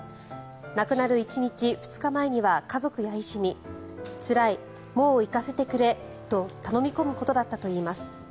亡くなる１日、２日前には家族や医師につらい、もう逝かせてくれと頼み込むほどだったといいます。